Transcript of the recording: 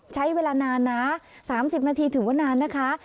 ใช้เวลานานนะสามสิบนาทีถึงว่านานนะคะ